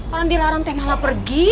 malah dilarang malah pergi